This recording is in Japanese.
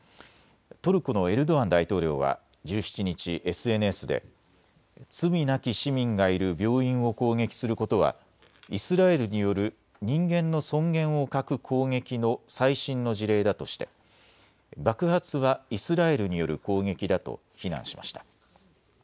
トルコのエルドアン大統領は１７日、ＳＮＳで罪なき市民がいる病院を攻撃することはイスラエルによる人間の尊厳を欠く攻撃の最新の事例だとして爆発はイスラエルによる攻撃だと非難しました。